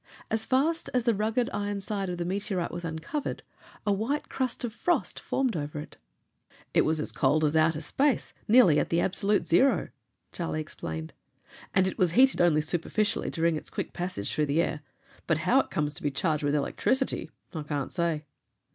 As fast as the rugged iron side of the meteorite was uncovered, a white crust of frost formed over it. "It was as cold as outer space, nearly at the absolute zero," Charlie explained. "And it was heated only superficially during its quick passage through the air. But how it comes to be charged with electricity I can't say."